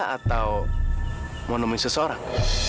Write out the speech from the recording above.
atau mau nemuin seseorang